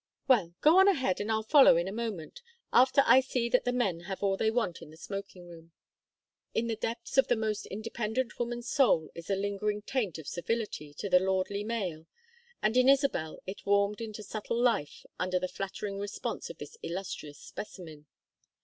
Well, go on ahead and I'll follow in a moment after I see that the men have all they want in the smoking room." In the depths of the most independent woman's soul is a lingering taint of servility to the lordly male, and in Isabel it warmed into subtle life under the flattering response of this illustrious specimen.